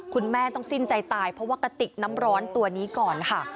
คุณแม่ต้องสิ้นใจตายเพราะว่ากระติกน้ำร้อนตัวนี้ก่อนค่ะ